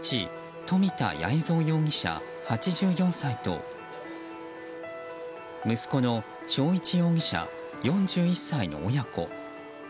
富田八重三容疑者８４歳と息子の生一容疑者、４１歳の親子。